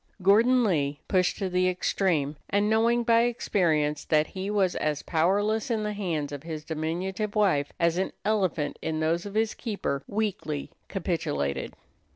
Gordon Lee, pushed to the extreme, and knowing by experience that he was as powerless in the hands of his diminutive wife as an elephant in those of his keeper, weakly capitulated.